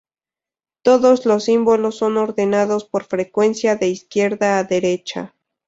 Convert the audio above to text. Todos los símbolos son ordenados por frecuencia, de izquierda a derecha.